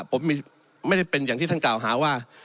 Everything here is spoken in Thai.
ผมไม่ได้เป็นอย่างที่ท่านกล่าวหาว่า